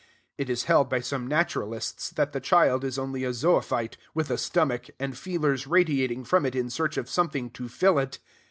It is held by some naturalists that the child is only a zoophyte, with a stomach, and feelers radiating from it in search of something to fill it.